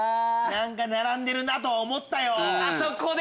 何か並んでるなとは思ったよ。